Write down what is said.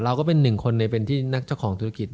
ก็เป็นหนึ่งคนในเป็นที่นักเจ้าของธุรกิจ